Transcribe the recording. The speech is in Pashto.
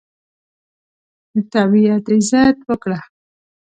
د طبیعت عزت وکړه.